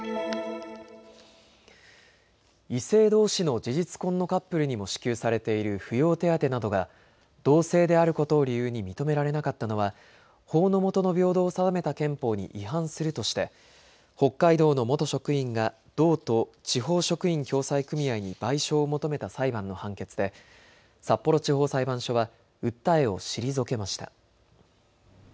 異性どうしの事実婚のカップルにも支給されている扶養手当などが同性であることを理由に認められなかったのは法の下の平等を定めた憲法に違反するとして北海道の元職員が道と地方職員共済組合に賠償を求めた裁判の判決で札幌地方裁判所は訴えを退けました。